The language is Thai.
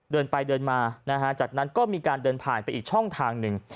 เดินไปเดินมานะฮะจากนั้นก็มีการเดินผ่านไปอีกช่องทางหนึ่ง